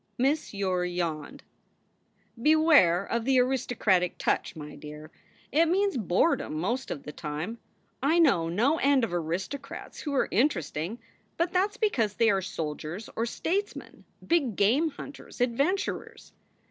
Miss Yore yawned. Beware of the aristocratic touch, my dear. It means boredom most of the time. I know no end of aristocrats who are interesting, but that s because they are soldiers or statesmen, big game hunters, adventurers.